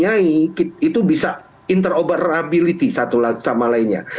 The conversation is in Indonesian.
jadi perusahaan yang kita punya itu bisa interoperability satu sama lainnya